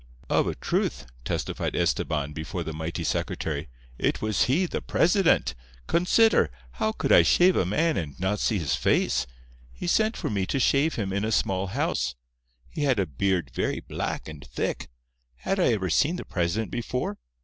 "Of a truth," testified Estebán before the mighty secretary, "it was he, the president. Consider!—how could I shave a man and not see his face? He sent for me to shave him in a small house. He had a beard very black and thick. Had I ever seen the president before?